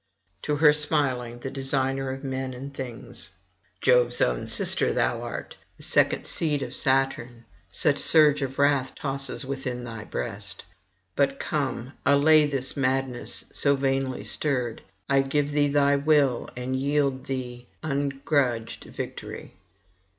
To her smilingly the designer of men and things: 'Jove's own sister thou art, and second seed of Saturn, such surge of wrath tosses within thy breast! But come, allay this madness so vainly stirred. I give thee thy will, and yield thee ungrudged victory.